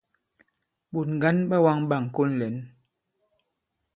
Ɓòt ŋgǎn ɓa wāŋ ɓâŋkon lɛ̂n.